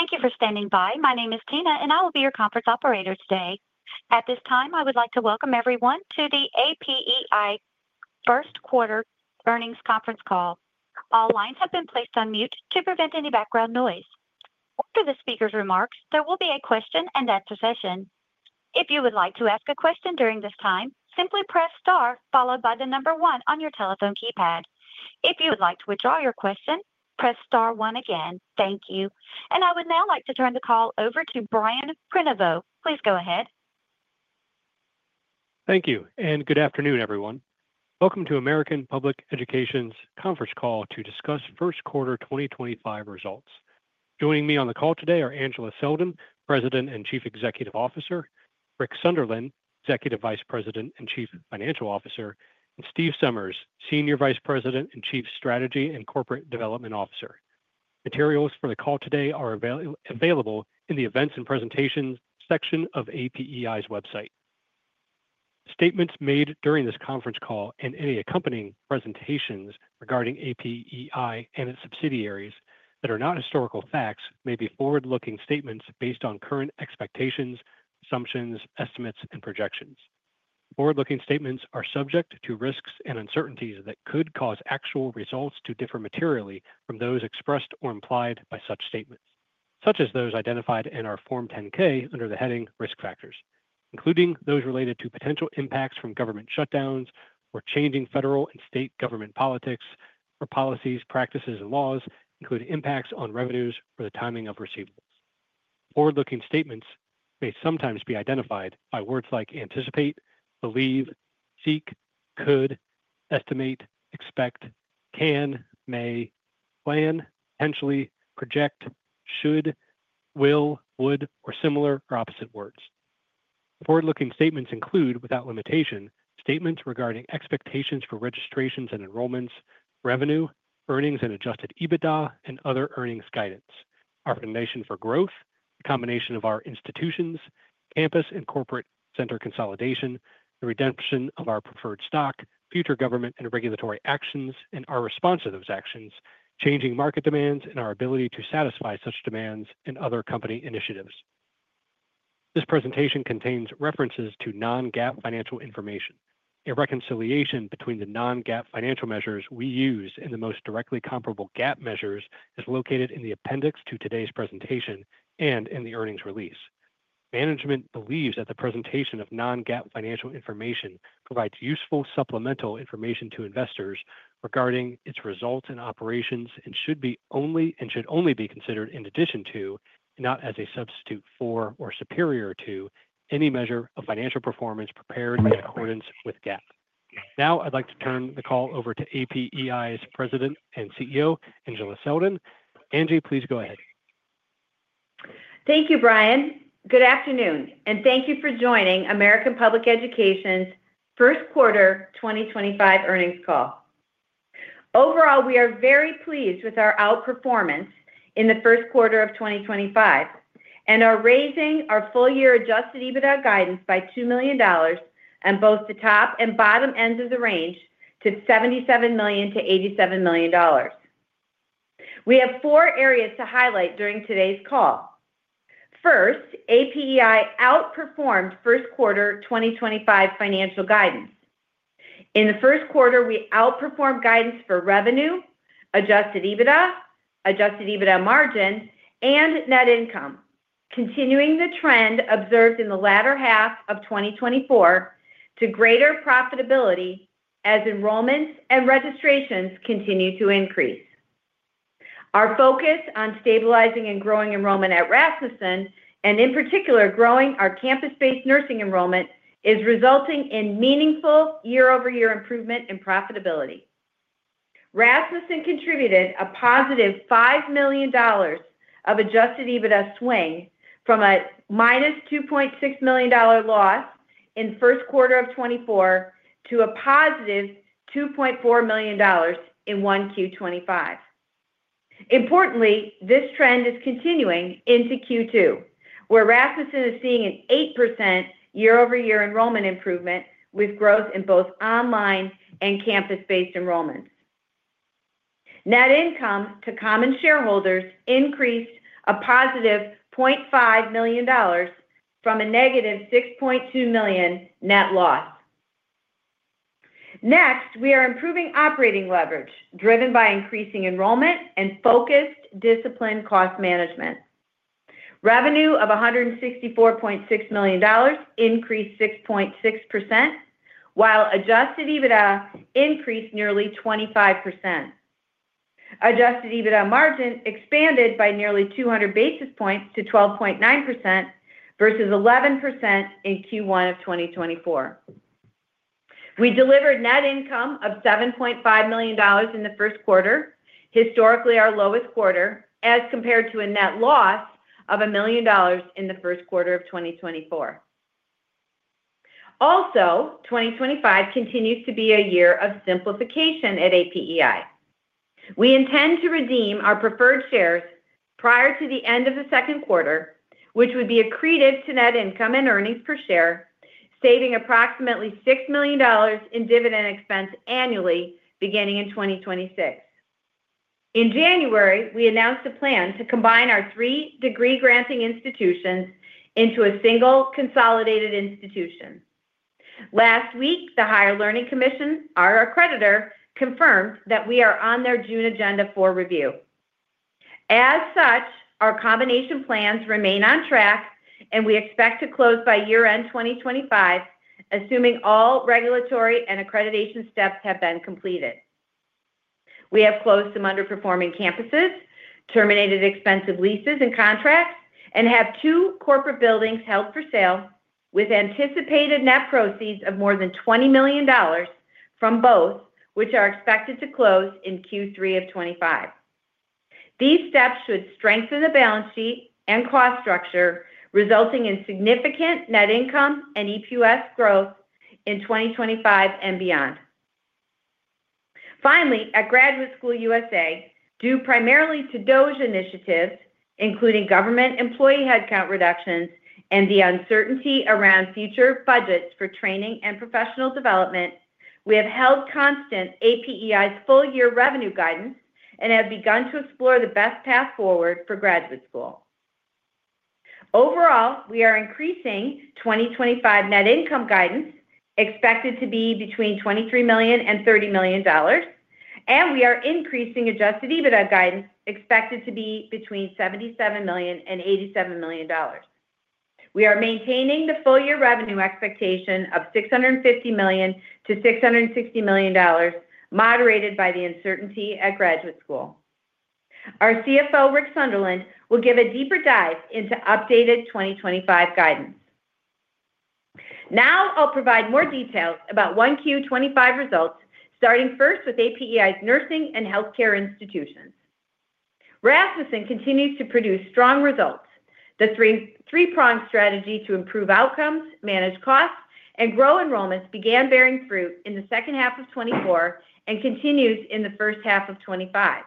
Thank you for standing by. My name is Tina, and I will be your conference operator today. At this time, I would like to welcome everyone to the APEI first quarter earning conference call. All lines have been placed on mute to prevent any background noise. After the speaker's remarks, there will be a question-and-answer session. If you would like to ask a question during this time, simply press star followed by the number one on your telephone keypad. If you would like to withdraw your question, press star one again. Thank you. I would now like to turn the call over to Brian Prenoveau. Please go ahead. Thank you, and good afternoon, everyone. Welcome to American Public Education's conference call to discuss first quarter 2025 results. Joining me on the call today are Angela Selden, President and Chief Executive Officer; Rick Sunderland, Executive Vice President and Chief Financial Officer; and Steve Somers, Senior Vice President and Chief Strategy and Corporate Development Officer. Materials for the call today are available in the Events and Presentations section of APEI's website. Statements made during this conference call and any accompanying presentations regarding APEI and its subsidiaries that are not historical facts may be forward-looking statements based on current expectations, assumptions, estimates, and projections. Forward-looking statements are subject to risks and uncertainties that could cause actual results to differ materially from those expressed or implied by such statements, such as those identified in our Form 10-K under the heading Risk Factors, including those related to potential impacts from government shutdowns or changing federal and state government politics or policies, practices, and laws, including impacts on revenues or the timing of receivables. Forward-looking statements may sometimes be identified by words like anticipate, believe, seek, could, estimate, expect, can, may, plan, potentially, project, should, will, would, or similar or opposite words. Forward-looking statements include, without limitation, statements regarding expectations for registrations and enrollments, revenue, earnings and adjusted EBITDA, and other earnings guidance, our foundation for growth, the combination of our institutions, campus and corporate center consolidation, the redemption of our preferred stock, future government and regulatory actions, and our response to those actions, changing market demands, and our ability to satisfy such demands and other company initiatives. This presentation contains references to non-GAAP financial information. A reconciliation between the non-GAAP financial measures we use and the most directly comparable GAAP measures is located in the appendix to today's presentation and in the earnings release. Management believes that the presentation of non-GAAP financial information provides useful supplemental information to investors regarding its results and operations and should only be considered in addition to, not as a substitute for or superior to, any measure of financial performance prepared in accordance with GAAP. Now, I'd like to turn the call over to APEI's President and CEO, Angela Selden. Angie, please go ahead. Thank you, Brian. Good afternoon, and thank you for joining American Public Education's first quarter 2025 earnings call. Overall, we are very pleased with our outperformance in the first quarter of 2025 and are raising our full-year adjusted EBITDA guidance by $2 million and both the top and bottom ends of the range to $77 million-$87 million. We have four areas to highlight during today's call. First, APEI outperformed first quarter 2025 financial guidance. In the first quarter, we outperformed guidance for revenue, adjusted EBITDA, adjusted EBITDA margin, and net income, continuing the trend observed in the latter half of 2024 to greater profitability as enrollments and registrations continue to increase. Our focus on stabilizing and growing enrollment at Rasmussen and, in particular, growing our campus-based nursing enrollment is resulting in meaningful year-over-year improvement in profitability. Rasmussen contributed a positive $5 million of adjusted EBITDA swing from a minus $2.6 million loss in first quarter of 2024 to a positive $2.4 million in 1Q 2025. Importantly, this trend is continuing into Q2, where Rasmussen is seeing an 8% year-over-year enrollment improvement with growth in both online and campus-based enrollments. Net income to common shareholders increased a positive $0.5 million from a negative $6.2 million net loss. Next, we are improving operating leverage driven by increasing enrollment and focused discipline cost management. Revenue of $164.6 million increased 6.6%, while adjusted EBITDA increased nearly 25%. Adjusted EBITDA margin expanded by nearly 200 basis points to 12.9% versus 11% in Q1 of 2024. We delivered net income of $7.5 million in the first quarter, historically our lowest quarter, as compared to a net loss of $1 million in the first quarter of 2024. Also, 2025 continues to be a year of simplification at APEI. We intend to redeem our preferred shares prior to the end of the second quarter, which would be accretive to net income and earnings per share, saving approximately $6 million in dividend expense annually beginning in 2026. In January, we announced a plan to combine our three degree-granting institutions into a single consolidated institution. Last week, the Higher Learning Commission, our accreditor, confirmed that we are on their June agenda for review. As such, our combination plans remain on track, and we expect to close by year-end 2025, assuming all regulatory and accreditation steps have been completed. We have closed some underperforming campuses, terminated expensive leases and contracts, and have two corporate buildings held for sale with anticipated net proceeds of more than $20 million from both, which are expected to close in Q3 of 2025. These steps should strengthen the balance sheet and cost structure, resulting in significant net income and APUS growth in 2025 and beyond. Finally, at Graduate School USA, due primarily to DOGE initiatives, including government employee headcount reductions and the uncertainty around future budgets for training and professional development, we have held constant APEI's full-year revenue guidance and have begun to explore the best path forward for Graduate School. Overall, we are increasing 2025 net income guidance, expected to be between $23 million and $30 million, and we are increasing adjusted EBITDA guidance, expected to be between $77 million and $87 million. We are maintaining the full-year revenue expectation of $650 million-$660 million, moderated by the uncertainty at Graduate School. Our CFO, Rick Sunderland, will give a deeper dive into updated 2025 guidance. Now, I'll provide more details about 1Q 2025 results, starting first with APEI's nursing and healthcare institutions. Rasmussen continues to produce strong results. The three-pronged strategy to improve outcomes, manage costs, and grow enrollments began bearing fruit in the second half of 2024 and continues in the first half of 2025.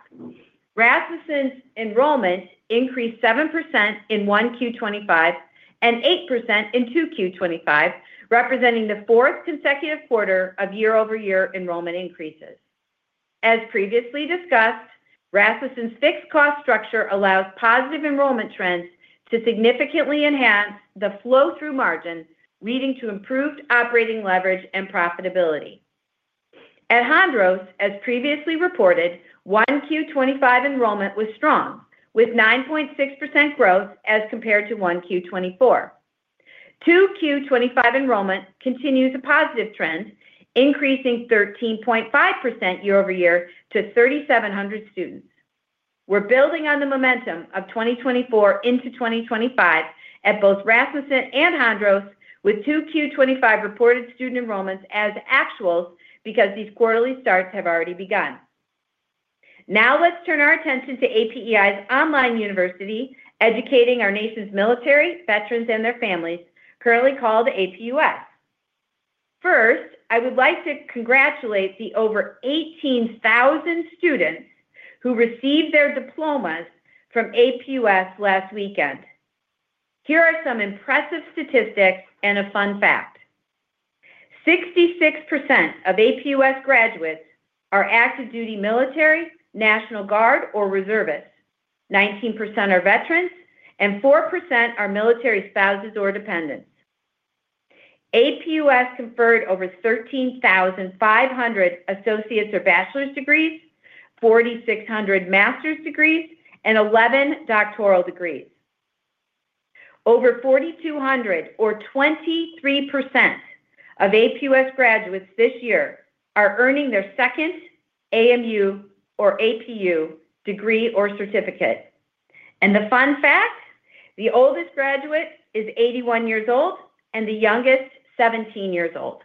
Rasmussen's enrollment increased 7% in 1Q 2025 and 8% in 2Q 2025, representing the fourth consecutive quarter of year-over-year enrollment increases. As previously discussed, Rasmussen's fixed cost structure allows positive enrollment trends to significantly enhance the flow-through margin, leading to improved operating leverage and profitability. At Hondros, as previously reported, 1Q 2025 enrollment was strong, with 9.6% growth as compared to 1Q 2024. 2Q 2025 enrollment continues a positive trend, increasing 13.5% year-over-year to 3,700 students. We're building on the momentum of 2024 into 2025 at both Rasmussen and Hondros, with 2Q 2025 reported student enrollments as actuals because these quarterly starts have already begun. Now, let's turn our attention to APEI's online university, educating our nation's military, veterans, and their families, currently called APUS. First, I would like to congratulate the over 18,000 students who received their diplomas from APUS last weekend. Here are some impressive statistics and a fun fact. 66% of APUS graduates are active duty military, National Guard, or reservists. 19% are veterans, and 4% are military spouses or dependents. APUS conferred over 13,500 associate's or bachelor's degrees, 4,600 master's degrees, and 11 doctoral degrees. Over 4,200, or 23% of APUS graduates this year are earning their second AMU or APU degree or certificate. The fun fact: the oldest graduate is 81 years old, and the youngest 17 years old.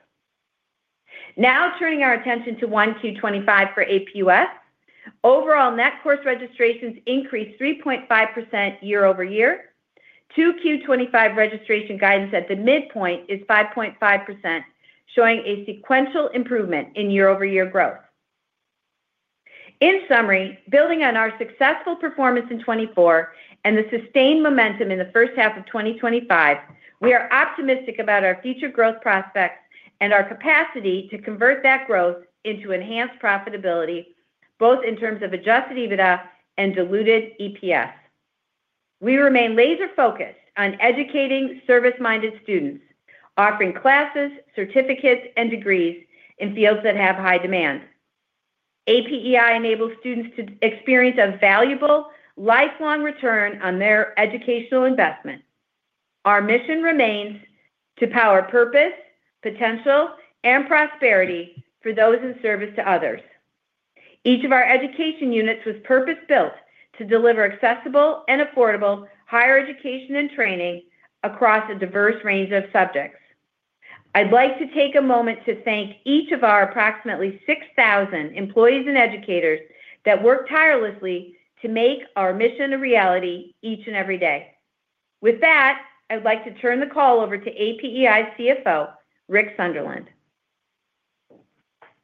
Now, turning our attention to 1Q 2025 for APUS, overall net course registrations increased 3.5% year-over-year. 2Q 2025 registration guidance at the midpoint is 5.5%, showing a sequential improvement in year-over-year growth. In summary, building on our successful performance in 2024 and the sustained momentum in the first half of 2025, we are optimistic about our future growth prospects and our capacity to convert that growth into enhanced profitability, both in terms of adjusted EBITDA and diluted EPS. We remain laser-focused on educating service-minded students, offering classes, certificates, and degrees in fields that have high demand. APEI enables students to experience a valuable lifelong return on their educational investment. Our mission remains to power purpose, potential, and prosperity for those in service to others. Each of our education units was purpose-built to deliver accessible and affordable higher education and training across a diverse range of subjects. I'd like to take a moment to thank each of our approximately 6,000 employees and educators that work tirelessly to make our mission a reality each and every day. With that, I would like to turn the call over to APEI's CFO, Rick Sunderland.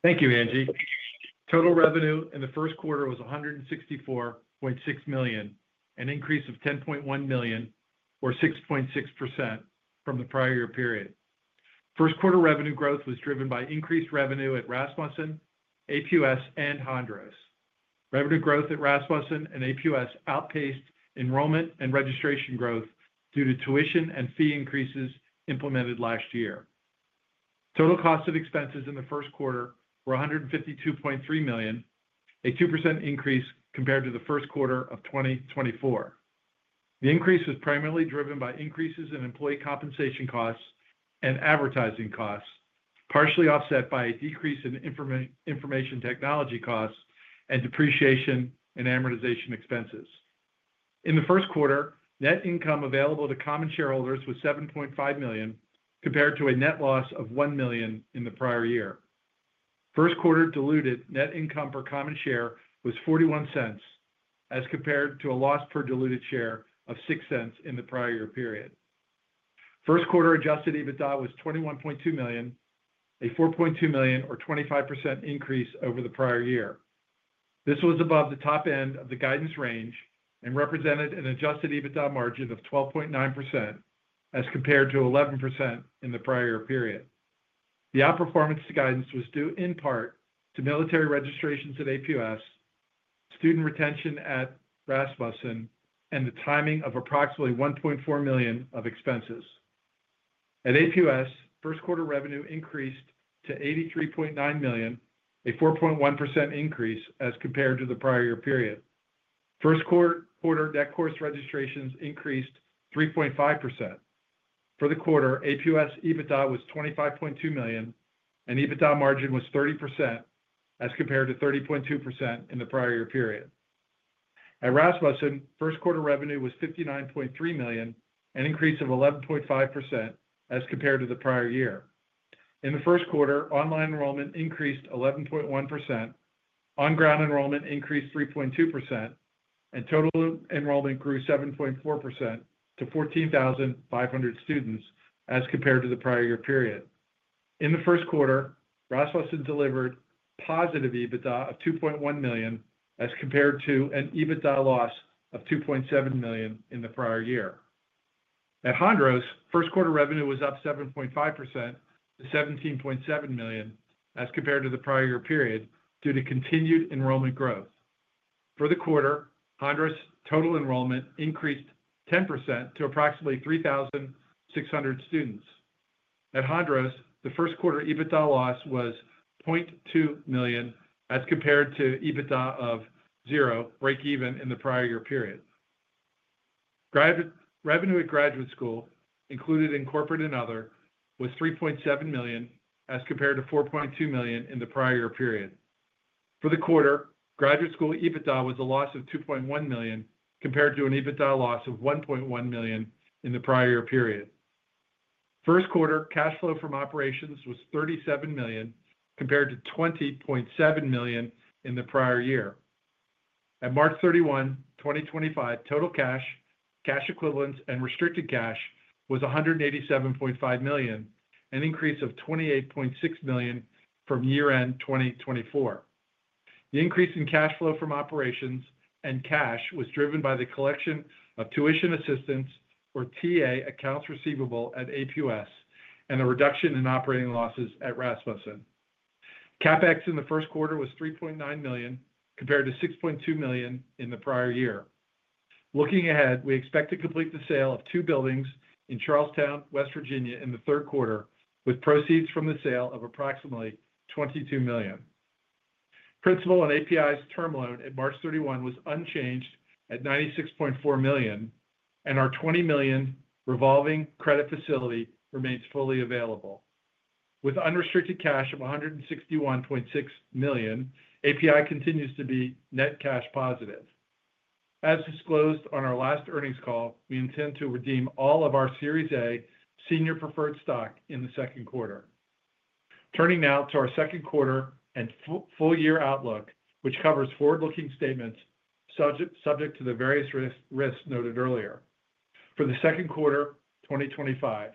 Thank you, Angie. Total revenue in the first quarter was $164.6 million, an increase of $10.1 million, or 6.6%, from the prior year period. First quarter revenue growth was driven by increased revenue at Rasmussen, APUS, and Hondros. Revenue growth at Rasmussen and APUS outpaced enrollment and registration growth due to tuition and fee increases implemented last year. Total cost of expenses in the first quarter were $152.3 million, a 2% increase compared to the first quarter of 2024. The increase was primarily driven by increases in employee compensation costs and advertising costs, partially offset by a decrease in information technology costs and depreciation and amortization expenses. In the first quarter, net income available to common shareholders was $7.5 million compared to a net loss of $1 million in the prior year. First quarter diluted net income per common share was $0.41, as compared to a loss per diluted share of $0.06 in the prior year period. First quarter adjusted EBITDA was $21.2 million, a $4.2 million, or 25% increase over the prior year. This was above the top end of the guidance range and represented an adjusted EBITDA margin of 12.9%, as compared to 11% in the prior year period. The outperformance to guidance was due in part to military registrations at APUS, student retention at Rasmussen, and the timing of approximately $1.4 million of expenses. At APUS, first quarter revenue increased to $83.9 million, a 4.1% increase as compared to the prior year period. First quarter net course registrations increased 3.5%. For the quarter, APUS EBITDA was $25.2 million, and EBITDA margin was 30%, as compared to 30.2% in the prior year period. At Rasmussen, first quarter revenue was $59.3 million, an increase of 11.5%, as compared to the prior year. In the first quarter, online enrollment increased 11.1%, on-ground enrollment increased 3.2%, and total enrollment grew 7.4% to 14,500 students, as compared to the prior year period. In the first quarter, Rasmussen delivered positive EBITDA of $2.1 million, as compared to an EBITDA loss of $2.7 million in the prior year. At Hondros, first quarter revenue was up 7.5% to $17.7 million, as compared to the prior year period, due to continued enrollment growth. For the quarter, Hondros' total enrollment increased 10% to approximately 3,600 students. At Hondros, the first quarter EBITDA loss was $0.2 million, as compared to EBITDA of zero, break-even in the prior year period. Revenue at Graduate School, included in corporate and other, was $3.7 million, as compared to $4.2 million in the prior year period. For the quarter, Graduate School EBITDA was a loss of $2.1 million, compared to an EBITDA loss of $1.1 million in the prior year period. First quarter cash flow from operations was $37 million, compared to $20.7 million in the prior year. At March 31, 2025, total cash, cash equivalents, and restricted cash was $187.5 million, an increase of $28.6 million from year-end 2024. The increase in cash flow from operations and cash was driven by the collection of Tuition Assistance, or TA, accounts receivable at APUS, and a reduction in operating losses at Rasmussen. CapEx in the first quarter was $3.9 million, compared to $6.2 million in the prior year. Looking ahead, we expect to complete the sale of two buildings in Charlestown, West Virginia, in the third quarter, with proceeds from the sale of approximately $22 million. Principal and APEI's Term Loan at March 31 was unchanged at $96.4 million, and our $20 million revolving credit facility remains fully available. With unrestricted cash of $161.6 million, APEI continues to be net cash positive. As disclosed on our last earnings call, we intend to redeem all of our Series A senior preferred stock in the second quarter. Turning now to our second quarter and full-year outlook, which covers forward-looking statements subject to the various risks noted earlier. For the second quarter 2025,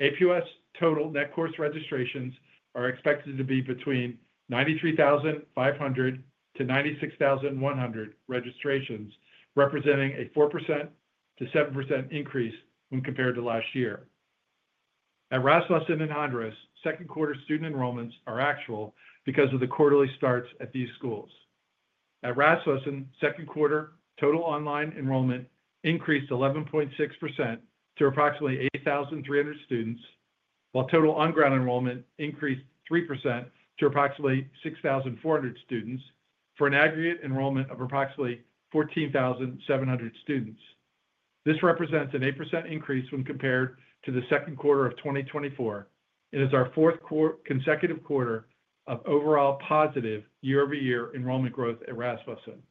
APUS total net course registrations are expected to be between 93,500-96,100 registrations, representing a 4%-7% increase when compared to last year. At Rasmussen and Hondros, second quarter student enrollments are actual because of the quarterly starts at these schools. At Rasmussen, second quarter total online enrollment increased 11.6% to approximately 8,300 students, while total on-ground enrollment increased 3% to approximately 6,400 students for an aggregate enrollment of approximately 14,700 students. This represents an 8% increase when compared to the second quarter of 2024. It is our fourth consecutive quarter of overall positive year-over-year enrollment growth at Rasmussen.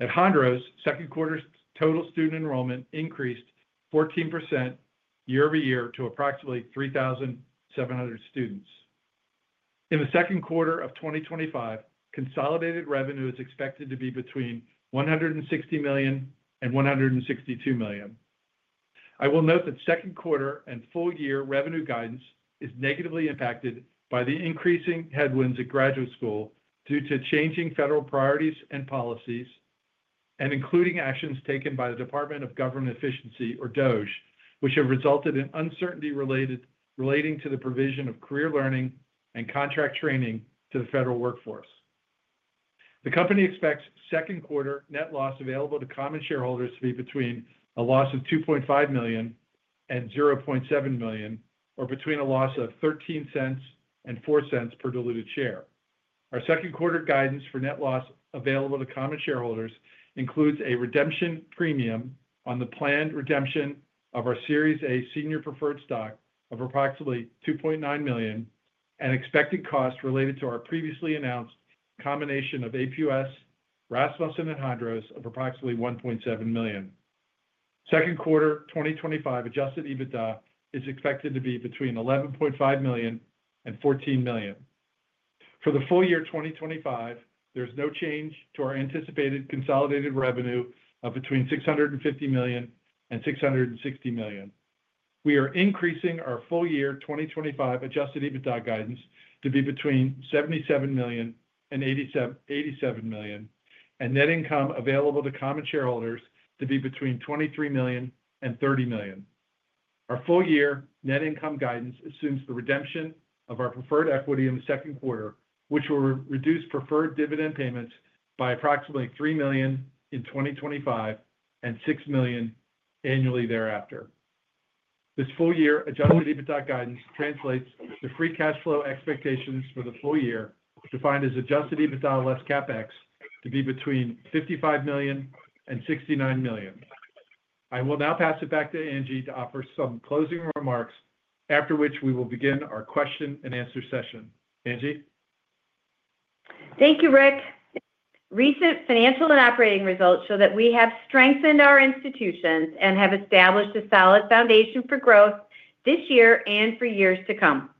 At Hondros, second quarter total student enrollment increased 14% year-over-year to approximately 3,700 students. In the second quarter of 2025, consolidated revenue is expected to be between $160 million and $162 million. I will note that second quarter and full-year revenue guidance is negatively impacted by the increasing headwinds at Graduate School USA due to changing federal priorities and policies, and including actions taken by the Department of Government Efficiency, or DOGE, which have resulted in uncertainty relating to the provision of career learning and contract training to the federal workforce. The company expects second quarter net loss available to common shareholders to be between a loss of $2.5 million and $0.7 million, or between a loss of $0.13 and $0.04 per diluted share. Our second quarter guidance for net loss available to common shareholders includes a redemption premium on the planned redemption of our Series A senior preferred stock of approximately $2.9 million, and expected costs related to our previously announced combination of APUS, Rasmussen, and Hondros of approximately $1.7 million. Second quarter 2025 adjusted EBITDA is expected to be between $11.5 million and $14 million. For the full year 2025, there is no change to our anticipated consolidated revenue of between $650 million and $660 million. We are increasing our full year 2025 adjusted EBITDA guidance to be between $77 million and $87 million, and net income available to common shareholders to be between $23 million and $30 million. Our full year net income guidance assumes the redemption of our preferred equity in the second quarter, which will reduce preferred dividend payments by approximately $3 million in 2025 and $6 million annually thereafter. This full year adjusted EBITDA guidance translates the free cash flow expectations for the full year, defined as adjusted EBITDA less CapEx, to be between $55 million and $69 million. I will now pass it back to Angie to offer some closing remarks, after which we will begin our question-and-answer session. Angie? Thank you, Rick. Recent financial and operating results show that we have strengthened our institutions and have established a solid foundation for growth this year and for years to come.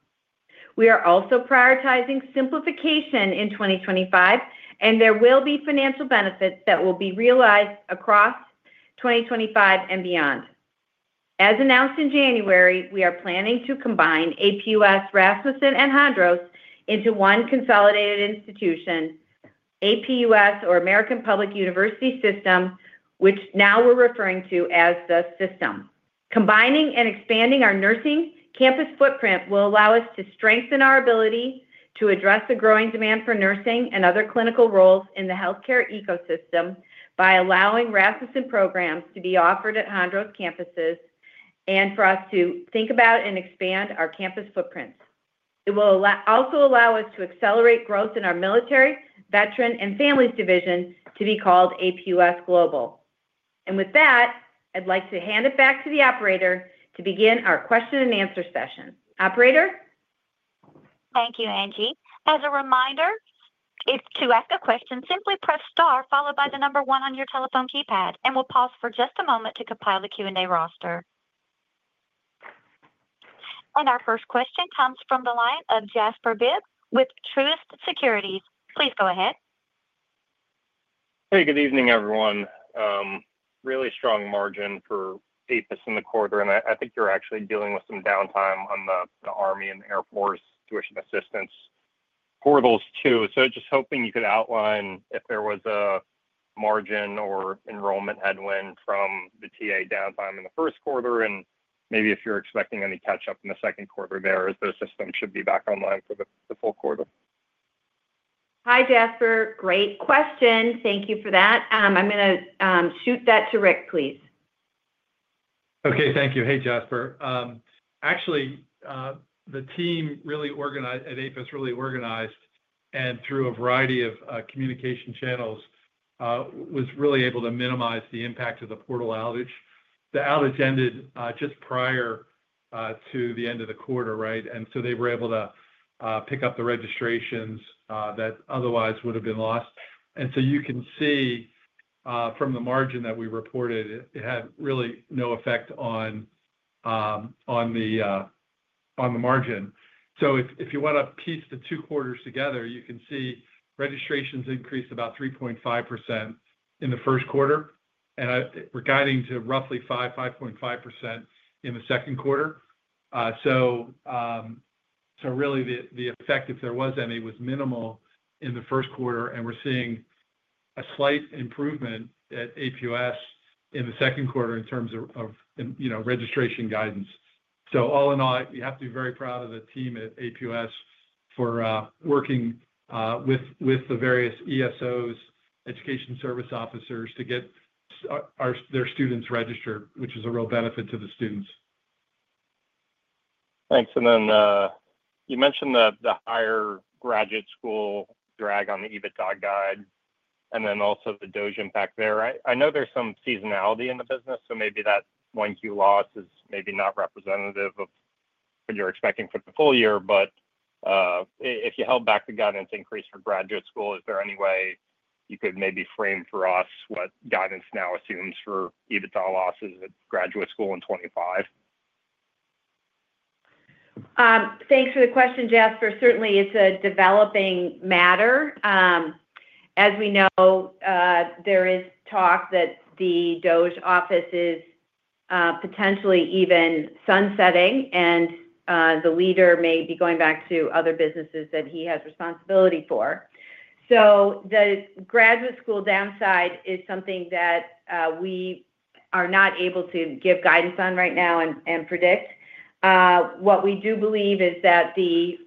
We are also prioritizing simplification in 2025, and there will be financial benefits that will be realized across 2025 and beyond. As announced in January, we are planning to combine APUS, Rasmussen, and Hondros into one consolidated institution, APUS, or American Public University System, which now we are referring to as the system. Combining and expanding our nursing campus footprint will allow us to strengthen our ability to address the growing demand for nursing and other clinical roles in the healthcare ecosystem by allowing Rasmussen programs to be offered at Hondros campuses and for us to think about and expand our campus footprints. It will also allow us to accelerate growth in our Military, Veteran, and Families Division to be called APUS Global. With that, I'd like to hand it back to the operator to begin our question-and-answer session. Operator? Thank you, Angie. As a reminder, to ask a question, simply press Star, followed by the number one on your telephone keypad, and we'll pause for just a moment to compile the Q&A roster. Our first question comes from the line of Jasper Bibb with Truist Securities. Please go ahead. Hey, good evening, everyone. Really strong margin for APUS in the quarter, and I think you're actually dealing with some downtime on the Army and the Air Force Tuition Assistance for those two. Just hoping you could outline if there was a margin or enrollment headwind from the TA downtime in the first quarter, and maybe if you're expecting any catch-up in the second quarter there, as the system should be back online for the full quarter. Hi, Jasper. Great question. Thank you for that. I'm going to shoot that to Rick, please. Okay, thank you. Hey, Jasper. Actually, the team really organized at APUS, really organized, and through a variety of communication channels, was really able to minimize the impact of the portal outage. The outage ended just prior to the end of the quarter, right? They were able to pick up the registrations that otherwise would have been lost. You can see from the margin that we reported, it had really no effect on the margin. If you want to piece the two quarters together, you can see registrations increased about 3.5% in the first quarter, and we're guiding to roughly 5-5.5% in the second quarter. Really, the effect, if there was any, was minimal in the first quarter, and we're seeing a slight improvement at APUS in the second quarter in terms of registration guidance. All in all, you have to be very proud of the team at APUS for working with the various ESOs, education service officers, to get their students registered, which is a real benefit to the students. Thanks. You mentioned the higher Graduate School drag on the EBITDA guide, and also the DOGE impact there. I know there is some seasonality in the business, so maybe that Q1 loss is maybe not representative of what you are expecting for the full year. If you held back the guidance increase for Graduate School, is there any way you could maybe frame for us what guidance now assumes for EBITDA losses at Graduate School in 2025? Thanks for the question, Jasper. Certainly, it's a developing matter. As we know, there is talk that the DOGE office is potentially even sunsetting, and the leader may be going back to other businesses that he has responsibility for. The graduate school downside is something that we are not able to give guidance on right now and predict. What we do believe is that the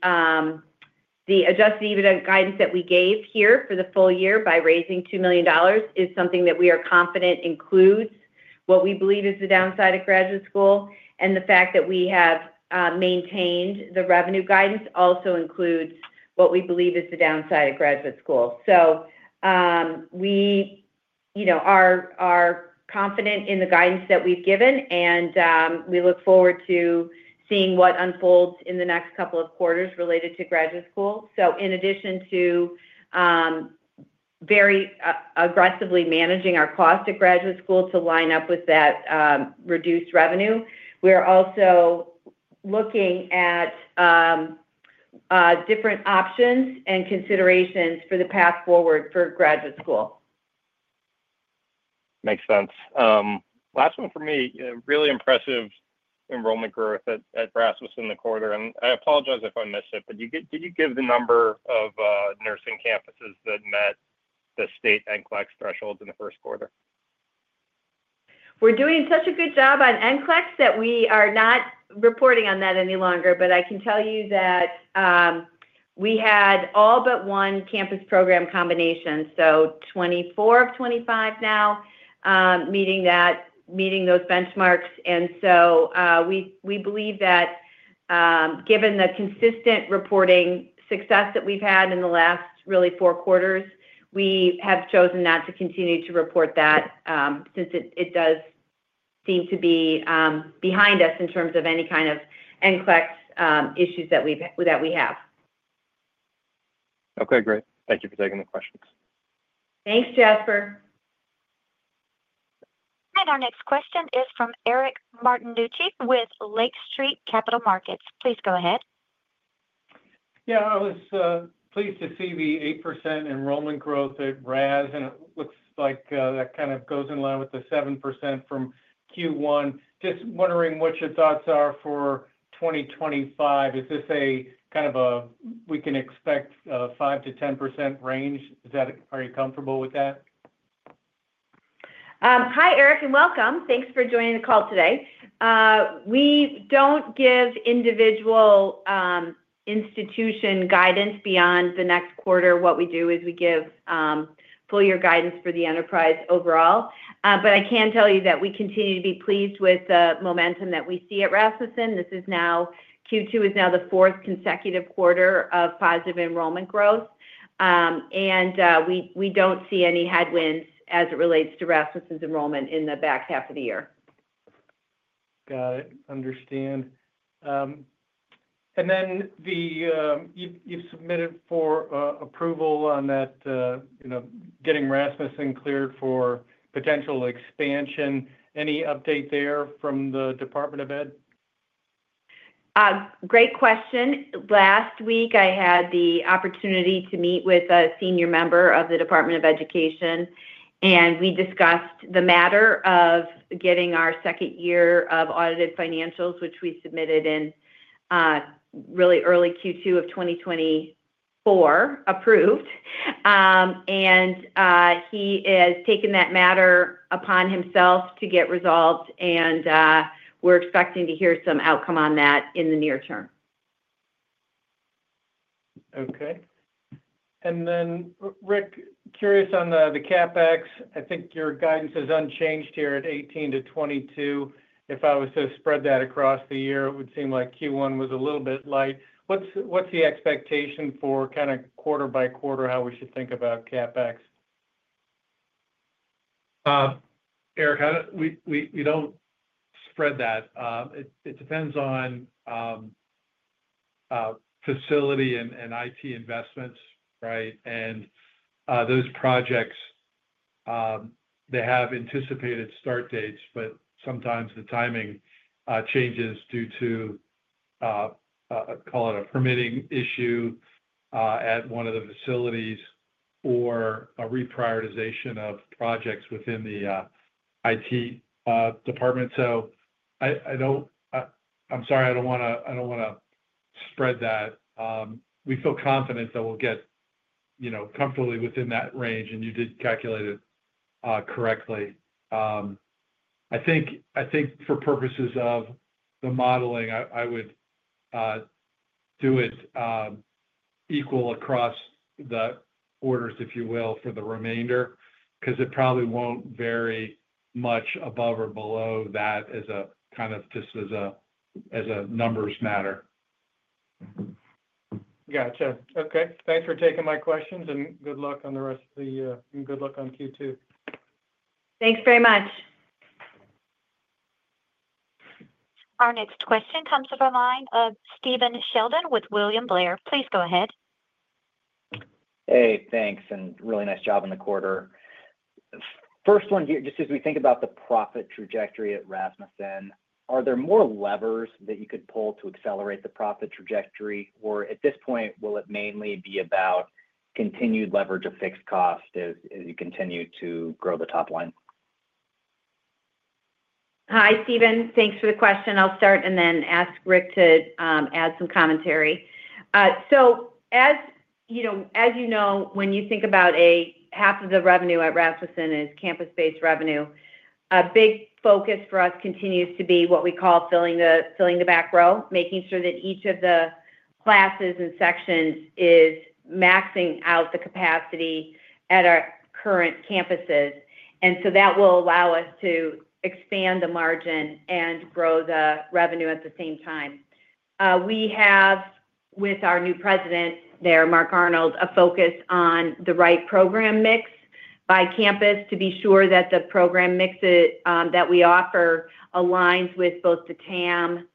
adjusted EBITDA guidance that we gave here for the full year by raising $2 million is something that we are confident includes what we believe is the downside of graduate school, and the fact that we have maintained the revenue guidance also includes what we believe is the downside of graduate school. We are confident in the guidance that we've given, and we look forward to seeing what unfolds in the next couple of quarters related to graduate school. In addition to very aggressively managing our cost at Graduate School to line up with that reduced revenue, we're also looking at different options and considerations for the path forward for Graduate School. Makes sense. Last one for me. Really impressive enrollment growth at Rasmussen in the quarter. I apologize if I missed it, but did you give the number of nursing campuses that met the state NCLEX thresholds in the first quarter? We're doing such a good job on NCLEX that we are not reporting on that any longer, but I can tell you that we had all but one campus program combination. So 24 of 25 now meeting those benchmarks. And so we believe that given the consistent reporting success that we've had in the last really four quarters, we have chosen not to continue to report that since it does seem to be behind us in terms of any kind of NCLEX issues that we have. Okay, great. Thank you for taking the questions. Thanks, Jasper. Our next question is from Eric Martinuzzi with Lake Street Capital Markets. Please go ahead. Yeah, I was pleased to see the 8% enrollment growth at Rasmussen, and it looks like that kind of goes in line with the 7% from Q1. Just wondering what your thoughts are for 2025. Is this a kind of a we can expect 5-10% range? Are you comfortable with that? Hi, Eric, and welcome. Thanks for joining the call today. We do not give individual institution guidance beyond the next quarter. What we do is we give full-year guidance for the enterprise overall. I can tell you that we continue to be pleased with the momentum that we see at Rasmussen. This is now Q2, is now the fourth consecutive quarter of positive enrollment growth, and we do not see any headwinds as it relates to Rasmussen's enrollment in the back half of the year. Got it. Understand. Then you've submitted for approval on that, getting Rasmussen cleared for potential expansion. Any update there from the Department of Education? Great question. Last week, I had the opportunity to meet with a senior member of the Department of Education, and we discussed the matter of getting our second year of audited financials, which we submitted in really early Q2 of 2024, approved. He has taken that matter upon himself to get resolved, and we're expecting to hear some outcome on that in the near term. Okay. And then, Rick, curious on the CapEx. I think your guidance is unchanged here at $18-$22. If I was to spread that across the year, it would seem like Q1 was a little bit light. What's the expectation for kind of quarter by quarter how we should think about CapEx? Eric, we do not spread that. It depends on facility and IT investments, right? And those projects, they have anticipated start dates, but sometimes the timing changes due to, call it a permitting issue at one of the facilities or a reprioritization of projects within the IT department. I am sorry, I do not want to spread that. We feel confident that we will get comfortably within that range, and you did calculate it correctly. I think for purposes of the modeling, I would do it equal across the quarters, if you will, for the remainder, because it probably will not vary much above or below that as a kind of just as a numbers matter. Gotcha. Okay. Thanks for taking my questions, and good luck on the rest of the quarter and good luck on Q2. Thanks very much. Our next question comes from Stephen Sheldon with William Blair. Please go ahead. Hey, thanks. Really nice job in the quarter. First one here, just as we think about the profit trajectory at Rasmussen, are there more levers that you could pull to accelerate the profit trajectory, or at this point, will it mainly be about continued leverage of fixed cost as you continue to grow the top line? Hi, Stephen. Thanks for the question. I'll start and then ask Rick to add some commentary. As you know, when you think about half of the revenue at Rasmussen is campus-based revenue, a big focus for us continues to be what we call filling the back row, making sure that each of the classes and sections is maxing out the capacity at our current campuses. That will allow us to expand the margin and grow the revenue at the same time. We have, with our new president there, Mark Arnold, a focus on the right program mix by campus to be sure that the program mix that we offer aligns with both the TAM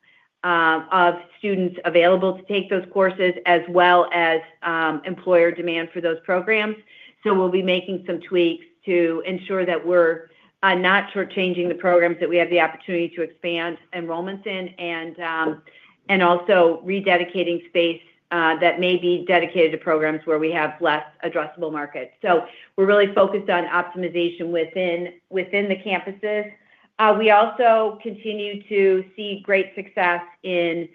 of students available to take those courses as well as employer demand for those programs. We'll be making some tweaks to ensure that we're not shortchanging the programs that we have the opportunity to expand enrollments in and also rededicating space that may be dedicated to programs where we have less addressable markets. We're really focused on optimization within the campuses. We also continue to see great success in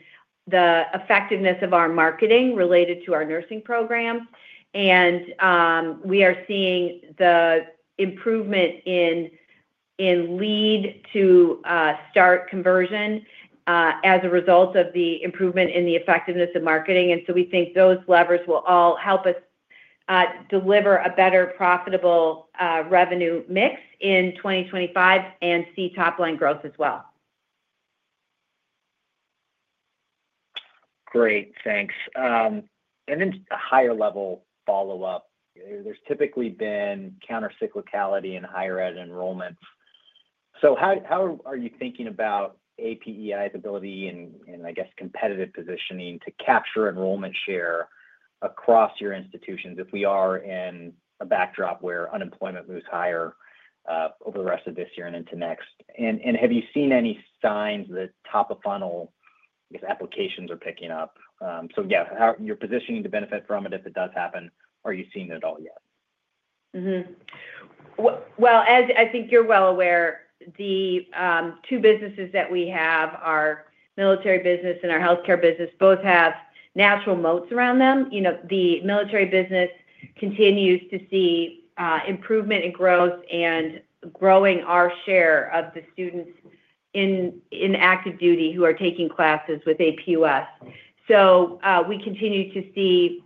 the effectiveness of our marketing related to our nursing programs, and we are seeing the improvement in lead to start conversion as a result of the improvement in the effectiveness of marketing. We think those levers will all help us deliver a better profitable revenue mix in 2025 and see top-line growth as well. Great. Thanks. Then a higher-level follow-up. There's typically been countercyclicality in higher-ed enrollments. How are you thinking about APEI's ability and, I guess, competitive positioning to capture enrollment share across your institutions if we are in a backdrop where unemployment moves higher over the rest of this year and into next? Have you seen any signs that top-of-funnel, I guess, applications are picking up? Yeah, you're positioning to benefit from it if it does happen. Are you seeing it at all yet? As I think you're well aware, the two businesses that we have, our military business and our healthcare business, both have natural moats around them. The military business continues to see improvement in growth and growing our share of the students in active duty who are taking classes with APUS. We continue to see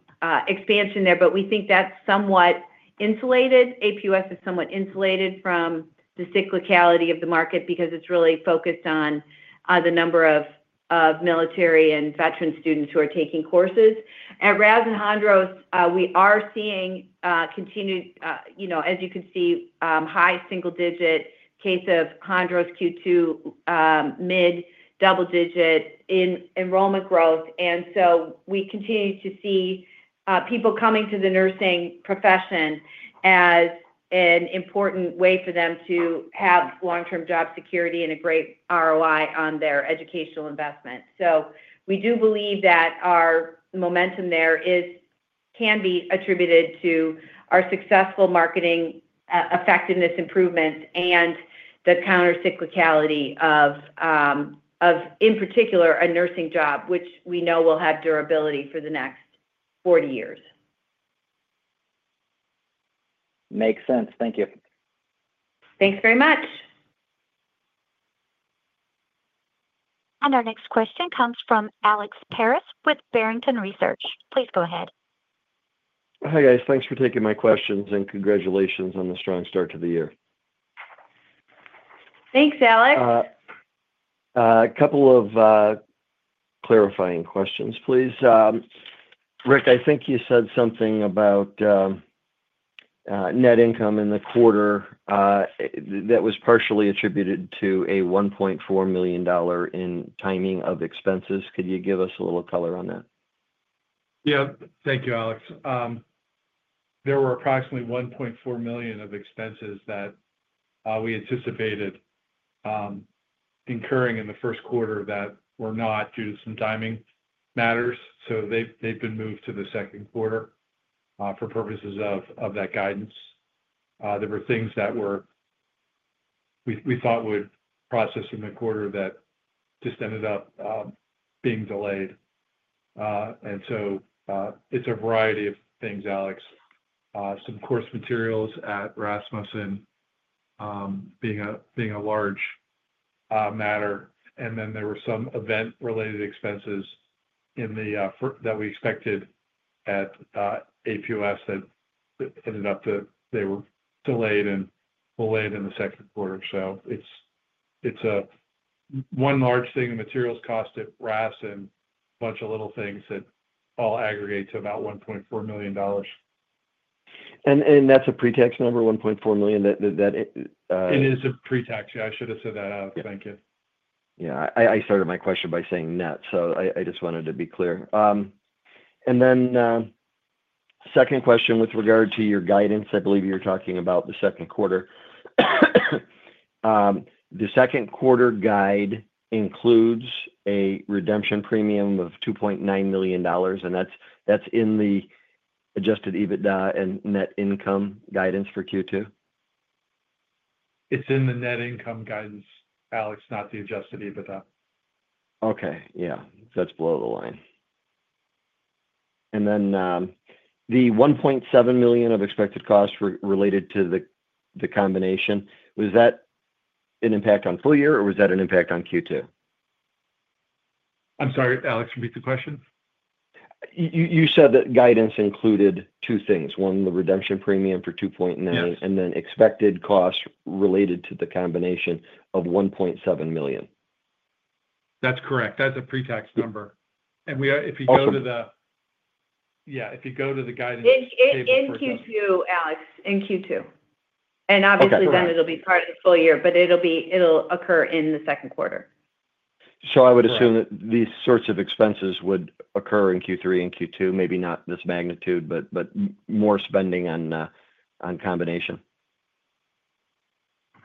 expansion there, but we think that's somewhat insulated. APUS is somewhat insulated from the cyclicality of the market because it's really focused on the number of military and veteran students who are taking courses. At Rasmussen and Hondros, we are seeing continued, as you can see, high single-digit, in the case of Hondros Q2, mid double-digit enrollment growth. We continue to see people coming to the nursing profession as an important way for them to have long-term job security and a great ROI on their educational investment. We do believe that our momentum there can be attributed to our successful marketing effectiveness improvement and the countercyclicality of, in particular, a nursing job, which we know will have durability for the next 40 years. Makes sense. Thank you. Thanks very much. Our next question comes from Alex Paris with Barrington Research. Please go ahead. Hi guys. Thanks for taking my questions and congratulations on the strong start to the year. Thanks, Alex. A couple of clarifying questions, please. Rick, I think you said something about net income in the quarter that was partially attributed to a $1.4 million in timing of expenses. Could you give us a little color on that? Yeah. Thank you, Alex. There were approximately $1.4 million of expenses that we anticipated incurring in the first quarter that were not due to some timing matters. They've been moved to the second quarter for purposes of that guidance. There were things that we thought would process in the quarter that just ended up being delayed. It's a variety of things, Alex. Some course materials at Rasmussen being a large matter. There were some event-related expenses that we expected at APUS that ended up that they were delayed and delayed in the second quarter. It's one large thing, the materials cost at Rasmussen, and a bunch of little things that all aggregate to about $1.4 million. That's a pre-tax number, $1.4 million. It is a pretext. Yeah, I should have said that out. Thank you. Yeah. I started my question by saying net, so I just wanted to be clear. And then second question with regard to your guidance, I believe you were talking about the second quarter. The second quarter guide includes a redemption premium of $2.9 million, and that's in the adjusted EBITDA and net income guidance for Q2? It's in the net income guidance, Alex, not the adjusted EBITDA. Okay. Yeah. That's below the line. And then the $1.7 million of expected costs related to the combination, was that an impact on full year, or was that an impact on Q2? I'm sorry, Alex. Repeat the question. You said that guidance included two things. One, the redemption premium for $2.9 million, and then expected costs related to the combination of $1.7 million. That's correct. That's a pretext number. And if you go to the. Okay. Yeah. If you go to the guidance. In Q2, Alex. In Q2. Obviously, then it'll be part of the full year, but it'll occur in the second quarter. I would assume that these sorts of expenses would occur in Q3 and Q2, maybe not this magnitude, but more spending on combination.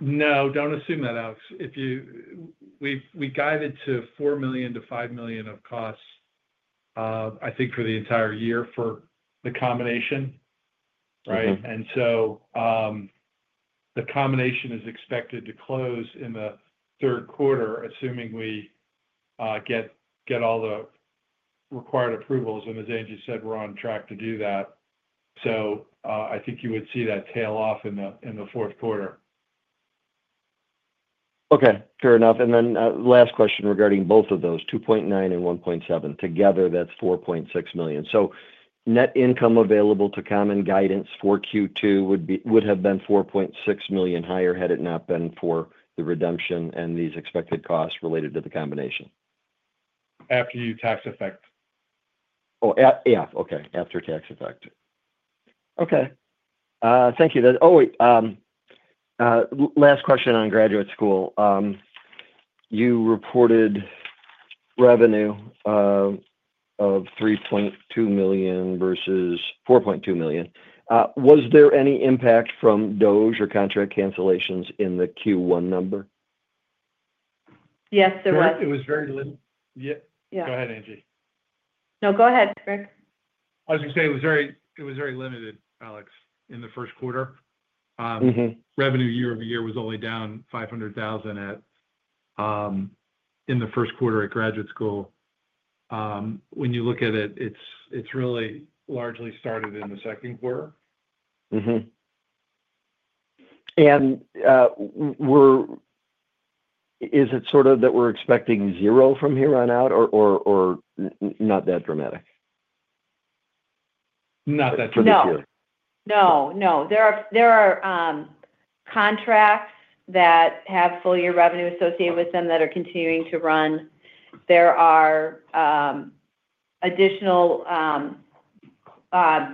No, do not assume that, Alex. We guided to $4 million-$5 million of costs, I think, for the entire year for the combination, right? The combination is expected to close in the third quarter, assuming we get all the required approvals. As Angie said, we are on track to do that. I think you would see that tail off in the fourth quarter. Okay. Fair enough. And then last question regarding both of those, 2.9 and 1.7, together, that's $4.6 million. So net income available to common guidance for Q2 would have been $4.6 million higher had it not been for the redemption and these expected costs related to the combination. After you tax effect. Oh, yeah. Okay. After tax effect. Okay. Thank you. Oh, wait. Last question on Graduate School. You reported revenue of $3.2 million versus $4.2 million. Was there any impact from DOGE or contract cancellations in the Q1 number? Yes, there was. It was very limited. Yeah. Go ahead, Angie. No, go ahead, Rick. I was going to say it was very limited, Alex, in the first quarter. Revenue year-over-year was only down $500,000 in the first quarter at Graduate School. When you look at it, it's really largely started in the second quarter. Is it sort of that we're expecting zero from here on out or not that dramatic? Not that dramatic. For this year? No, no. There are contracts that have full-year revenue associated with them that are continuing to run. There are additional,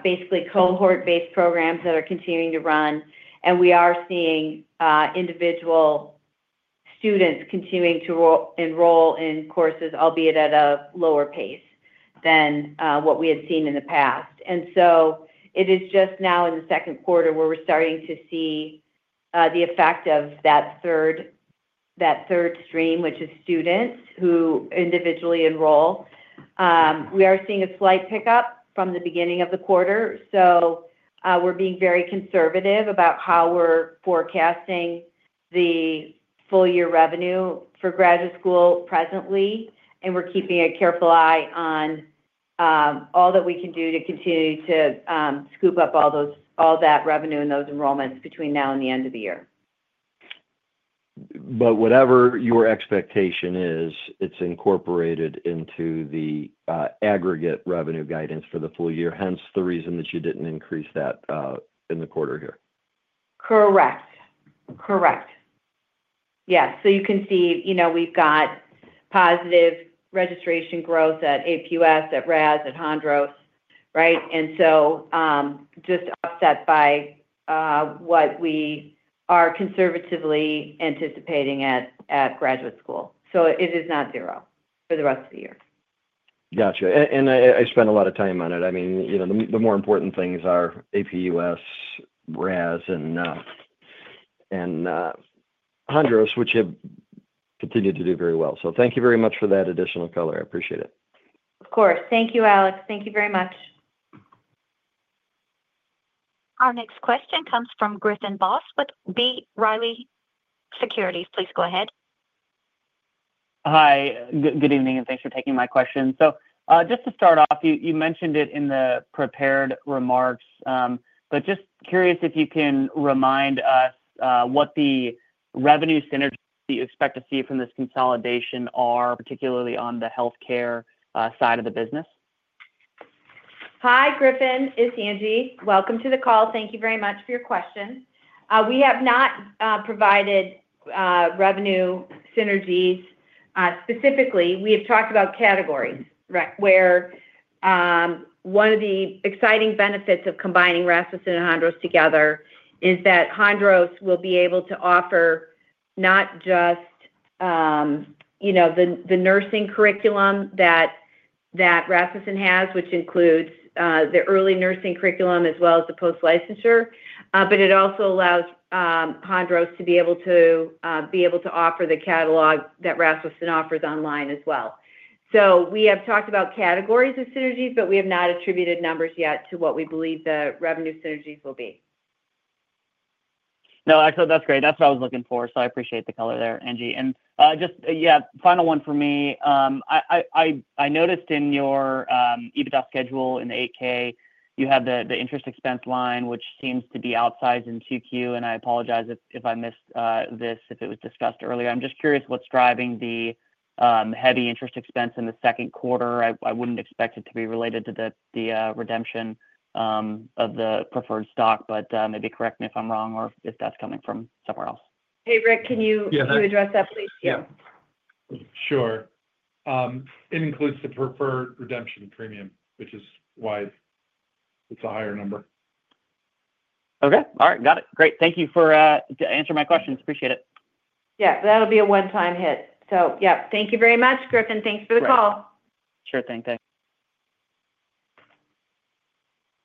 basically, cohort-based programs that are continuing to run. We are seeing individual students continuing to enroll in courses, albeit at a lower pace than what we had seen in the past. It is just now in the second quarter where we're starting to see the effect of that third stream, which is students who individually enroll. We are seeing a slight pickup from the beginning of the quarter. We are being very conservative about how we're forecasting the full-year revenue for Graduate School USA presently. We are keeping a careful eye on all that we can do to continue to scoop up all that revenue and those enrollments between now and the end of the year. Whatever your expectation is, it's incorporated into the aggregate revenue guidance for the full year, hence the reason that you didn't increase that in the quarter here. Correct. Correct. Yes. You can see we've got positive registration growth at APUS, at Rasmussen, at Hondros, right? Just upset by what we are conservatively anticipating at Graduate School. It is not zero for the rest of the year. Gotcha. I spent a lot of time on it. I mean, the more important things are APUS, Rasmussen, and Hondros, which have continued to do very well. Thank you very much for that additional color. I appreciate it. Of course. Thank you, Alex. Thank you very much. Our next question comes from Griffin Boss, B. Riley Securities. Please go ahead. Hi. Good evening, and thanks for taking my question. Just to start off, you mentioned it in the prepared remarks, but just curious if you can remind us what the revenue synergies that you expect to see from this consolidation are, particularly on the healthcare side of the business. Hi, Griffin. It's Angie. Welcome to the call. Thank you very much for your question. We have not provided revenue synergies specifically. We have talked about categories, right, where one of the exciting benefits of combining Rasmussen and Hondros together is that Hondros will be able to offer not just the nursing curriculum that Rasmussen has, which includes the early nursing curriculum as well as the post-licensure, but it also allows Hondros to be able to offer the catalog that Rasmussen offers online as well. We have talked about categories of synergies, but we have not attributed numbers yet to what we believe the revenue synergies will be. No, I thought that's great. That's what I was looking for. I appreciate the color there, Angie. Just, yeah, final one for me. I noticed in your EBITDA schedule in the 8-K, you have the interest expense line, which seems to be outsized in Q2. I apologize if I missed this if it was discussed earlier. I'm just curious what's driving the heavy interest expense in the second quarter. I wouldn't expect it to be related to the redemption of the preferred stock, but maybe correct me if I'm wrong or if that's coming from somewhere else. Hey, Rick, can you address that, please? Yeah. Sure. It includes the preferred redemption premium, which is why it's a higher number. Okay. All right. Got it. Great. Thank you for answering my questions. Appreciate it. Yeah. That'll be a one-time hit. Yeah. Thank you very much,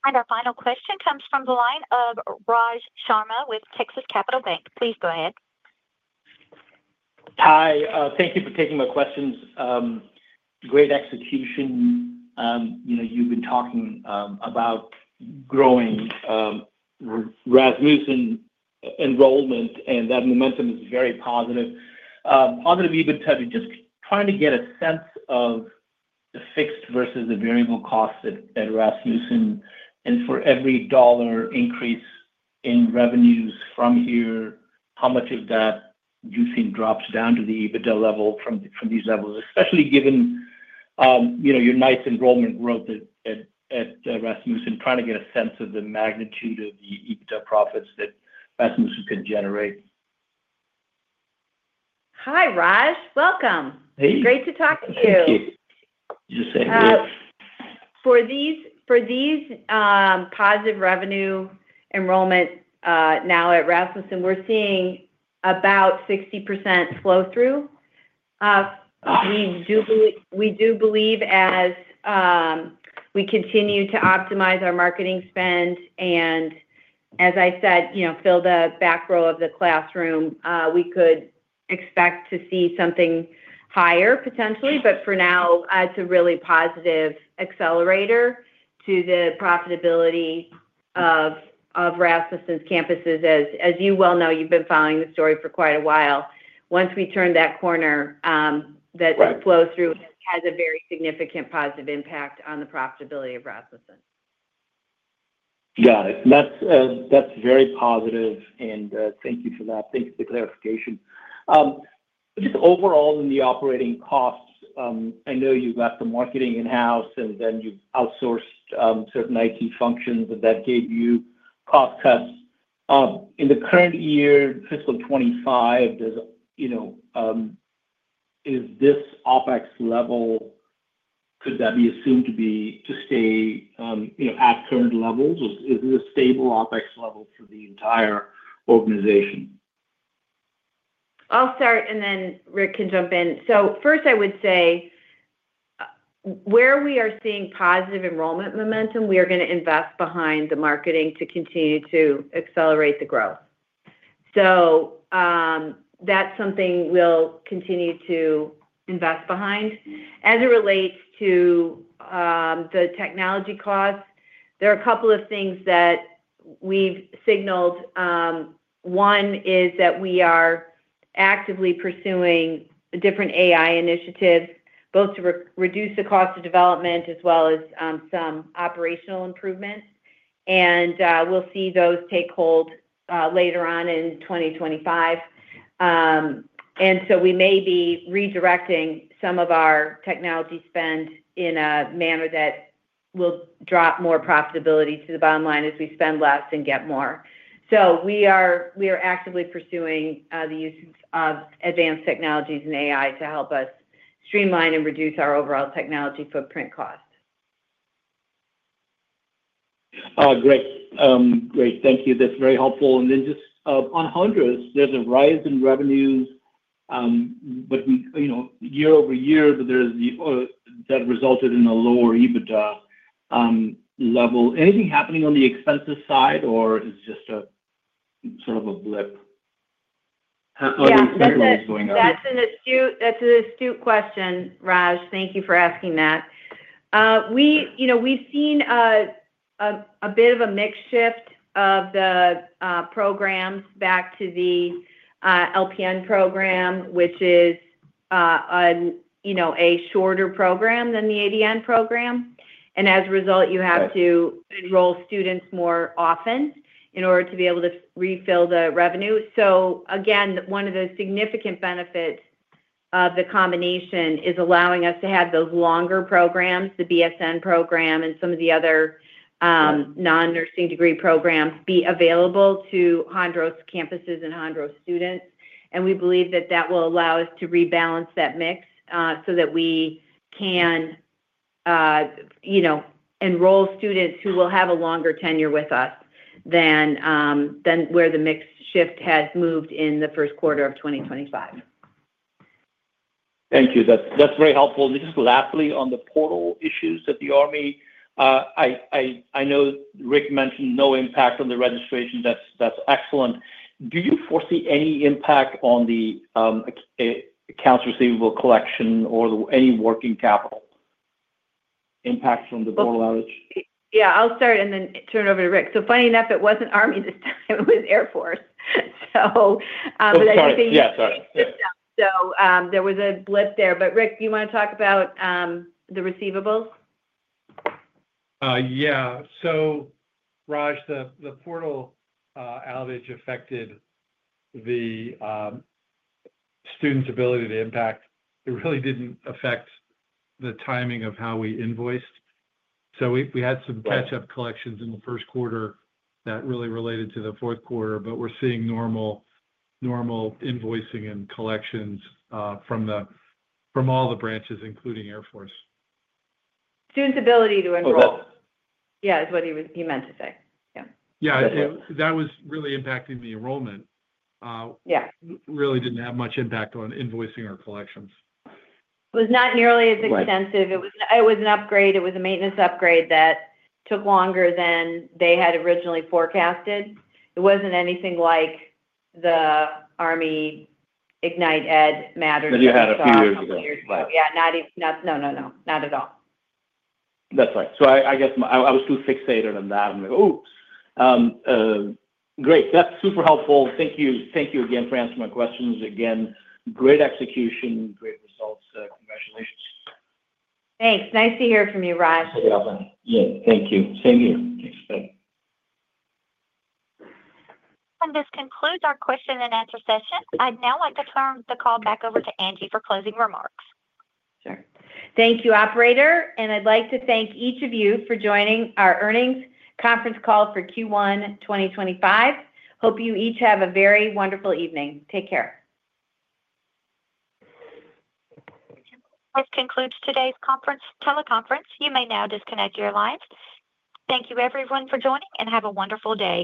Griffin. Thanks for the call. Sure thing. Thanks. Our final question comes from the line of Raj Sharma with Texas Capital Bank. Please go ahead. Hi. Thank you for taking my questions. Great execution. You've been talking about growing Rasmussen enrollment, and that momentum is very positive. Positive EBITDA. Just trying to get a sense of the fixed versus the variable costs at Rasmussen. For every dollar increase in revenues from here, how much of that do you think drops down to the EBITDA level from these levels, especially given your nice enrollment growth at Rasmussen? Trying to get a sense of the magnitude of the EBITDA profits that Rasmussen could generate. Hi, Raj. Welcome. Hey. It's great to talk to you. Thank you. Just saying hi. For these positive revenue enrollments now at Rasmussen, we're seeing about 60% flow-through. We do believe, as we continue to optimize our marketing spend and, as I said, fill the back row of the classroom, we could expect to see something higher potentially. For now, it's a really positive accelerator to the profitability of Rasmussen's campuses. As you well know, you've been following the story for quite a while. Once we turn that corner, that flow-through has a very significant positive impact on the profitability of Rasmussen. Got it. That's very positive. Thank you for that. Thank you for the clarification. Just overall in the operating costs, I know you've got the marketing in-house, and then you've outsourced certain IT functions, and that gave you cost cuts. In the current year, fiscal 2025, is this OpEx level, could that be assumed to stay at current levels? Is this a stable OpEx level for the entire organization? I'll start, and then Rick can jump in. First, I would say where we are seeing positive enrollment momentum, we are going to invest behind the marketing to continue to accelerate the growth. That's something we'll continue to invest behind. As it relates to the technology costs, there are a couple of things that we've signaled. One is that we are actively pursuing different AI initiatives, both to reduce the cost of development as well as some operational improvements. We'll see those take hold later on in 2025. We may be redirecting some of our technology spend in a manner that will drop more profitability to the bottom line as we spend less and get more. We are actively pursuing the use of advanced technologies and AI to help us streamline and reduce our overall technology footprint cost. Great. Great. Thank you. That is very helpful. Then just on Hondros, there is a rise in revenue year-over-year, but that resulted in a lower EBITDA level. Anything happening on the expenses side, or is it just sort of a blip? Yeah. That's an astute question, Raj. Thank you for asking that. We've seen a bit of a mixed shift of the programs back to the LPN Program, which is a shorter program than the ADN Program. As a result, you have to enroll students more often in order to be able to refill the revenue. One of the significant benefits of the combination is allowing us to have those longer programs, the BSN Program and some of the other non-nursing degree programs, be available to Hondros campuses and Hondros students. We believe that that will allow us to rebalance that mix so that we can enroll students who will have a longer tenure with us than where the mixed shift has moved in the first quarter of 2025. Thank you. That's very helpful. Just lastly, on the portal issues at the Army, I know Rick mentioned no impact on the registration. That's excellent. Do you foresee any impact on the accounts receivable collection or any working capital impact from the portal outage? Yeah. I'll start and then turn it over to Rick. Funny enough, it wasn't Army this time. It was Air Force. I think. Sorry. Yeah. Sorry. There was a blip there. Rick, do you want to talk about the receivables? Yeah. Raj, the portal outage affected the students' ability to impact. It really didn't affect the timing of how we invoiced. We had some catch-up collections in the first quarter that really related to the fourth quarter, but we're seeing normal invoicing and collections from all the branches, including Air Force. Students' ability to enroll. For both. Yeah, is what he meant to say. Yeah. Yeah. That was really impacting the enrollment. It really didn't have much impact on invoicing or collections. It was not nearly as extensive. It was an upgrade. It was a maintenance upgrade that took longer than they had originally forecasted. It was not anything like the ArmyIgnitED. That you had a few years ago. A couple of years ago. Yeah. No, not at all. That's right. I guess I was too fixated on that. I'm like, "Oops." Great. That's super helpful. Thank you again for answering my questions. Again, great execution, great results. Congratulations. Thanks. Nice to hear from you, Raj. Thank you. Same here. Thanks. Bye. This concludes our question-and-answer session. I'd now like to turn the call back over to Angie for closing remarks. Sure. Thank you, operator. I would like to thank each of you for joining our earnings conference call for Q1 2025. Hope you each have a very wonderful evening. Take care. This concludes today's teleconference. You may now disconnect your lines. Thank you, everyone, for joining, and have a wonderful day.